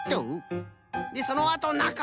でそのあとなかをぬる。